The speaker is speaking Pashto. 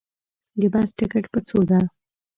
د بس ټکټ په څو ده